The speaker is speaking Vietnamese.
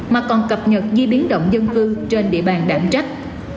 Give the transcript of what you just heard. mà còn cập nhật di biến động dân cư trên địa bàn đảm trách